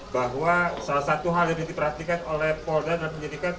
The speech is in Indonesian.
bahwa salah satu hal yang diperhatikan oleh polda dan penyelidikan